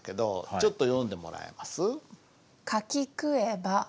ちょっと読んでもらえます？